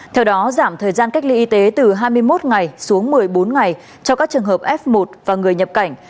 theo đó giảm thời gian cách ly y tế từ hai mươi một ngày xuống một mươi bốn ngày cho các trường hợp f một và người nhập cảnh